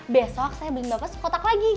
besok saya beli bapak sekotak lagi